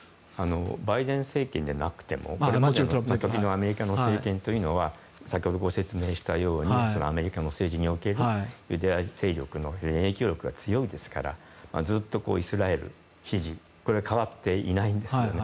バイデン政権じゃなくても時のアメリカの政権というのは先ほどご説明したようにアメリカの政治におけるユダヤ勢力の影響力が強いですからずっとイスラエル支持これは変わっていないんです。